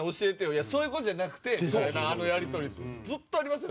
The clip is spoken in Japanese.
「いやそういう事じゃなくて」みたいなあのやり取りってずっとありますよね。